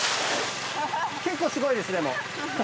結構すごいですでも。